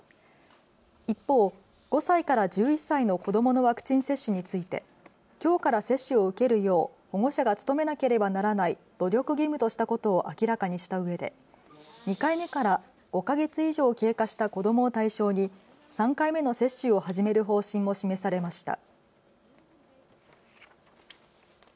一方、５歳から１１歳の子どものワクチン接種についてきょうから接種を受けるよう保護者が努めなければならない努力義務としたことを明らかにしたうえで、２回目から５か月以上経過した子どもを対象に３回目の接種を始める方針も示されました。